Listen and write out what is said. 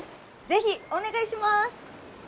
是非お願いします！